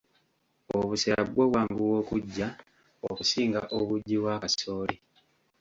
Obusera bwo bwanguwa okuggya okusinga obuugi bwa kasooli